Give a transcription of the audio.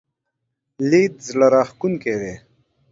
لید زړه راښکونکی دی.